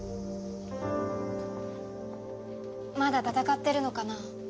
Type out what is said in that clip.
まだ戦ってるのかな？